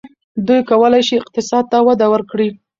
دوی کولای شي اقتصاد ته وده ورکړي.